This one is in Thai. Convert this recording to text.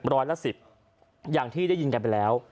ร้อยละ๑๐อย่างที่ได้ยินกันไปแล้ว